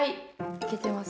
いけてます？